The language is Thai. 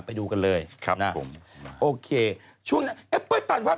ไปดูกันเลยนะฮะโอเคช่วงนั้นเอ๊ะเปิ้ลปานวัด